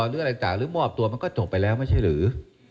เนื่องอะไรจากหรือมอบตัวจบไปแล้วไม่เช่นหรือ